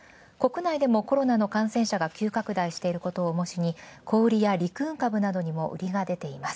国内でもコロナの感染者が急拡大していることを重しに小売や陸運かぶにもうりが。